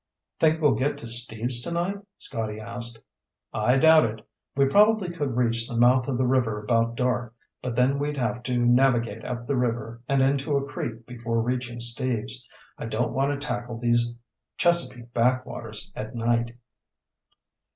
"Think we'll get to Steve's tonight?" Scotty asked. "I doubt it. We probably could reach the mouth of the river about dark, but then we'd have to navigate up the river and into a creek before reaching Steve's. I don't want to tackle these Chesapeake backwaters at night."